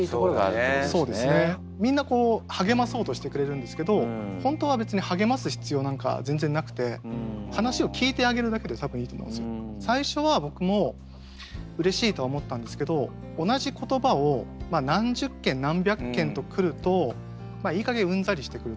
みんなこう励まそうとしてくれるんですけど本当は別に最初は僕もうれしいとは思ったんですけど同じ言葉を何十件何百件と来るといいかげんうんざりしてくるというか。